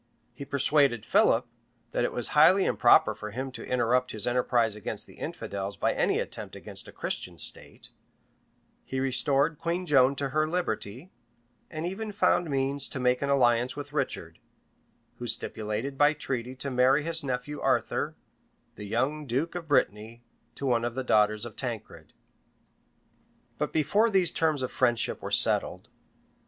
He persuaded Philip that it was highly improper for him to interrupt his enterprise against the infidels by any attempt against a Christian state: he restored Queen Joan to her liberty; and even found means to make an alliance with Richard, who stipulated by treaty to marry his nephew Arthur; the young duke of Brittany, to one of the daughters of Tancred.[] [* Benedict. Abbas, p. 580.] [ Hoveden, p. 663] [ Hoveden, p. 676, 677. Benedict. Abbas, p. 615.] But before these terms of friendship were settled.